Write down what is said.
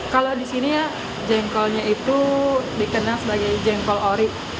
kalau di sini jengkolnya itu dikenal sebagai jengkol ori